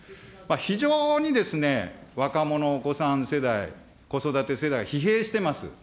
非常に若者、お子さん世代、子育て世代、疲弊しています。